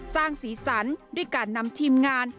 สร้างศีลสรรค์ด้วยการนำทีมงาน